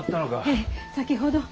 ええ先ほど。